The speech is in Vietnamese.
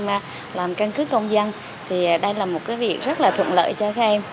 các em làm căn cứ công dân đây là một việc rất thuận lợi cho các em